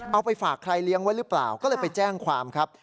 เอาไปฝากใครเลี้ยงไว้หรือเปล่าก็เลยไปแจ้งความครับ